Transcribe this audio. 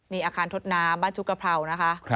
นี่อาคารทดน้ำบ้านชุกกระเพรานะคะ